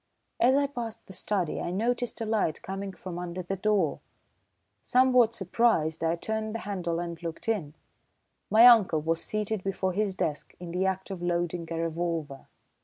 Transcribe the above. As I passed the study I noticed a light coming from under the door. Somewhat surprised, I turned the handle and looked in. My uncle was seated before his desk in the act of loading a revolver.